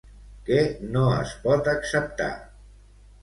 Què no es pot acceptar?